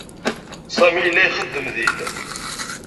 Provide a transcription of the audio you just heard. Sami yella ixeddem din.